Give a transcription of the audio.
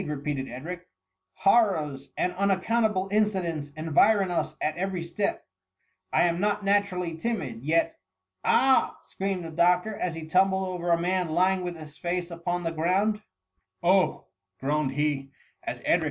repeated Edric ;" hor rors and unaccountable incidents environ us at every step ; I ani not naturally timid, yet—*" ^^ Ah !^^ screamed the doctor, as he tumbled over a man lying with his face upon the ground ;" Oh r groaned he, as Edric and .